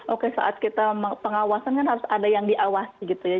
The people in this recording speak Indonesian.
oke saat kita pengawasan kan harus ada yang diawasi gitu ya